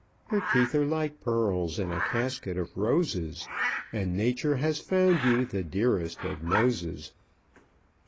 "Your teeth are like pearls in A casket of roses, And nature has found you The dearest of noses."